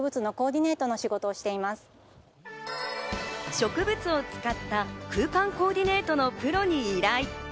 植物を使った空間コーディネートのプロに依頼。